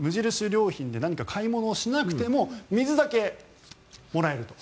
良品で何か買い物をしなくても水だけもらえると。